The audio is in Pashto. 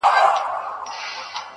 تا راته نه ويل چي نه کوم ضديت شېرينې~